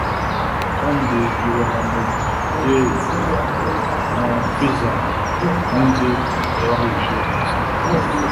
Kandi yubahwa mu mbwebwe na pheasants n'inzu y'abahuje ibitsina